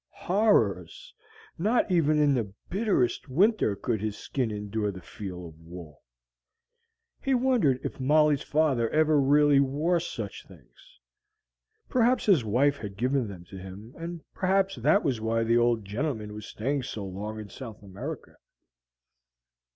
Horrors! Not even in the bitterest winter could his skin endure the feel of wool. He wondered if Molly's father ever really wore such things. Perhaps his wife had given them to him, and perhaps that was why the old gentleman was staying so long in South America.